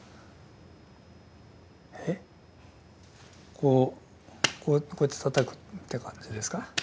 こうやってたたくって感じですか？